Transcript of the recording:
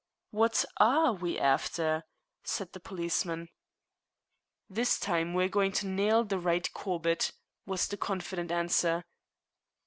"What are we after?" said the policeman. "This time we are going to nail the right Corbett," was the confident answer.